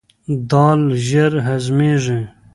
دال ژر هضمیږي.